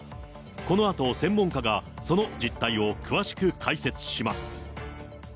このあと専門家が、その実態を詳しく解説します。